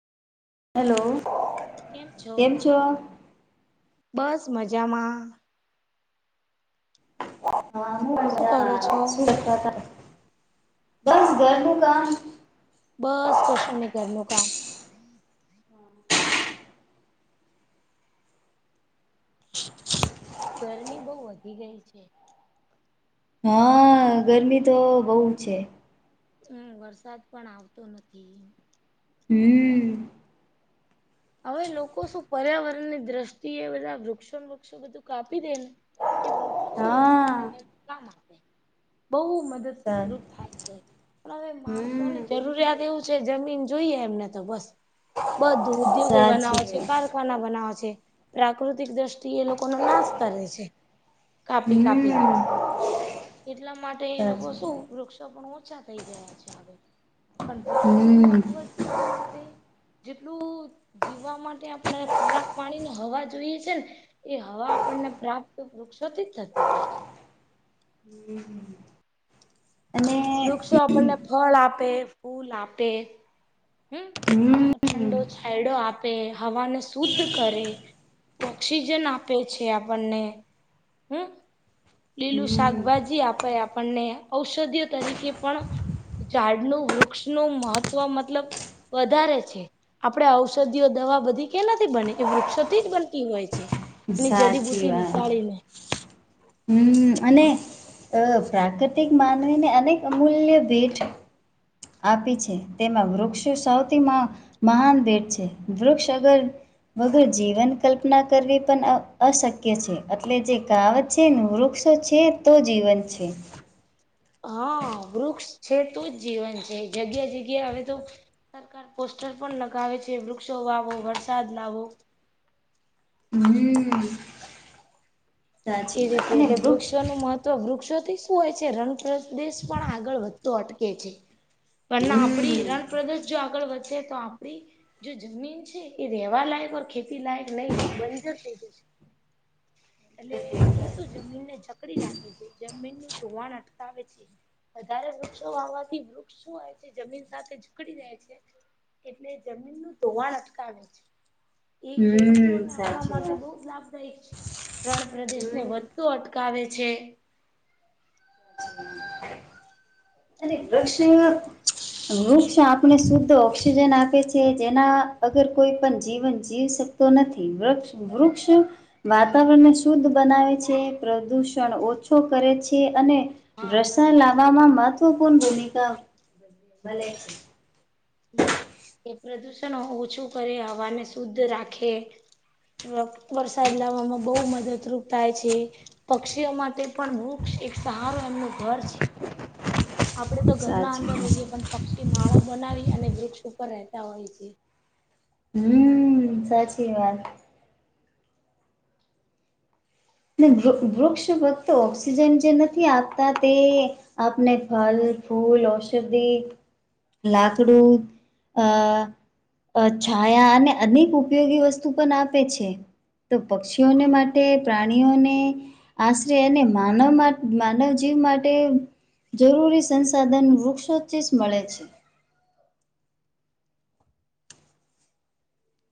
Hello. કેમ છો? બસ મજામાં. શું કરો છો [unintelligible] બસ ઘરનું કામ. બસ કશુંની ઘરનું કામ. ગરમી બો વધી ગઈ છે. હા, ગરમી તો બોઉ છે. હમ, વરસાદ પણ આવતો નથી. હમ. હવે લોકો શું પર્યાવરણની દ્રષ્ટિ એ વૃક્ષો વૃક્ષો બધું કાપી દે એ વૃક્ષો શું હા વરસાદ લાવે તો કામ આપે બોઉ મદદ સર પણ થાય છે. પણ હવે માણસો હમ ની જરૂરિયાત એવું જમીન જોઈએ એમને તો બસ બધું ઉદ્યોગો સાચી બનાવે છે વાત કાર [unintelligible] બનાવ છે પ્રાકૃતિક દ્રષ થી એ લોકોનો નાશ કરે છે કાપી હમ કાપીને. એટલા માટે એ લોકો સાચી શું વાત. વૃક્ષો પણ ઓછા થઈ ગયા છે આગળ. પણ વૃક્ષોનુ હમ મહત્વ જીવન માટે જેટલું જીવવા માટે આપણે ખોરાક પાણી હવા જોઈએ છે ને. એ હવા આપણને પ્રાપ્ત વૃક્ષોથી જ થતી હોય છે. હમ હમ. વૃક્ષો આપણને ફળ આપે ફૂલ આપે હમ. હમ હમ ઠંડો છાયડો આપે હવાને શુદ્ધ કરે. ઓક્સિજન આપે છે આપણને હમ. લીલું શાકભાજી આપે આપણને ઔષધીઓ તરીકે પણ ઝાડનુંું વૃક્ષનુંું મહત્ત્વ મતલબ વધારે છે. આપણેે ઔષધિઓ દવા બધી કેલાથી બને એ વૃક્ષોથી જ બનતી હોય છે. એની સાચી જડીબુટી વાત નીકાળીને હમ, અને અ પ્રાકૃતિક માનવીને અનેક અમૂલ્ય ભેટ આપી છે. તેમાં વૃક્ષો સૌથી મહાન ભેટ છે. વૃક્ષ અગર વગર જીવન કલ્પના કરવી પણ અ અશક્ય છે. એટલે જે કાવત છે નુ વૃક્ષો છે તો જીવન છે. હા વૃક્ષ છે. તો જ જીવન છે. જગ્યા જગ્યા હવે તો સરકાર પોસ્ટર પણ લગાવે છે. વૃક્ષો વાવો વરસાદ લાવો હમ એ રીતે એ વૃક્ષ વૃક્ષનું તો વૃક્ષોથી શું હોય છે. રંગ પ્રદેશ પણ આગળ વધતો અટકે છે. પણ હમ્મ. આપડી રણપ્રદેશ જો આગળ વધે તો આપણી જો જમીન છે. એ રેવાલાયક ઓર ખેતી લાયક નહી ર બંજર જ થઈ જશે એટલે એ શું જમીનને જકડી રાખે છે. જમીનનું ધોવાણ અટકાવે છે. વધારે વૃક્ષો વાવાથી વૃક્ષ શું આવે છે. જમીન સાથે ઝકડી રહે છે. એટલે જમીનનુંું ધોવાણ અટકાવે છે. એ હમ્મ. ખેડૂતોને આપણા સાચી માટે વાત. બહુ જ લાભદાયક છે. ત્રણ પ્રદેશને હમ્મ. વધુ શું અટકાવે છે. [inaudible] અનેને વૃક્ષ એ વૃક્ષ આપણે શુદ્ધ ઓક્સિજન આપે છે. જેના અગર કોઈ પણ જીવન જીવ શકતુ? તો નથી વૃક્ષ વૃક્ષ વાતાવરણને શુદ્ધ બનાવે છે. પ્રદુષણ ઓછો કરે છે. અને હા ભ્રષ્ટ પ્રદુષણ ઓછું લાવવામાં મહત્વપૂર્ણ ભૂમિકા ભલે એ પ્રદુષણ ઓછું કરે હવાને શુદ્ધ રાખે વરસાદ લાવવામાં બહુ મદદરૂપ થાય છે. પક્ષીઓ માટે પણ વૂક્ષ એક સહારો એમનું ઘર છે. આપણે તો ઘરના સાચી અંદર વાત રહીએ પણ પક્ષી માળો બનાવી અને વૃક્ષ ઉપર રહેતા હોય છે. હમ સાચી વાત ને વૃક્ષ ફક્ત ઓક્સિજન જે નથી આપતા તે આપને ફલ ફૂલ ઔષધિ લાકડું અચ્છા આ અને અનેક ઉપયોગી વસ્તુ પણ આપે છે. તો પક્ષીઓને માટે પ્રાણીઓને આશરે અને માનવ માનવ જીવ માટે જરૂરી સંસાધન વૃક્ષો થીત મળે છે.